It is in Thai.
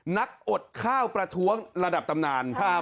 นักอดข้าวประท้วงระดับตำนาน